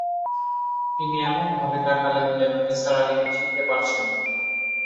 তিনি এমনভাবে তাকালেন যেন নিসার আলিকে চিনতে পারছেন না।